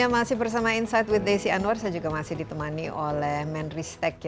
masih bersama insight with desi anwar saya juga masih ditemani oleh menristek